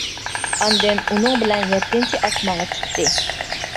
ئاندىن ئۇنىڭ بىلەن يەتتىنچى ئاسمانغا چىقتى.